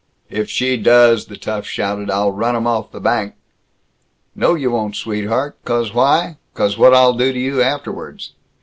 "If she does," the tough shouted, "I'll run 'em off the bank." "No, you won't, sweetheart, 'cause why? 'Cause what'll I do to you afterwards?"